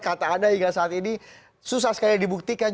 kata anda saat ini sudah susah sekali dibuktikan